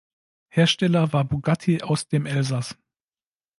Hersteller war Bugatti aus dem Elsass.